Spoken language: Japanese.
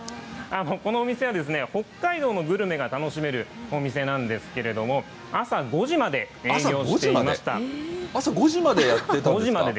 このお店は、北海道のグルメが楽しめるお店なんですけれども、朝５時までやってたんですか。